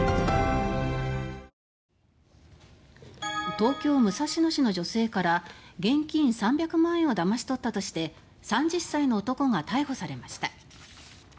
東京・武蔵野市の女性から現金３００万円をだまし取ったとして３０歳の男が逮捕されました。